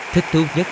thích thương nhất